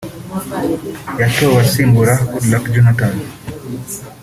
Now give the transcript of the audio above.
yatowe asimbura Goodluck Johnatan